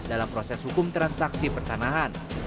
dalam proses hukum transaksi pertanahan